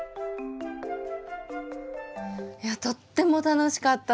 いやとっても楽しかったです。